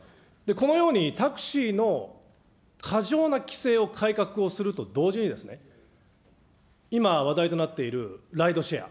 このようにタクシーの過剰な規制を改革をすると同時に、今話題となっているライドシェア。